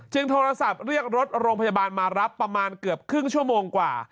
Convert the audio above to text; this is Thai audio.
โทรศัพท์เรียกรถโรงพยาบาลมารับประมาณเกือบครึ่งชั่วโมงกว่า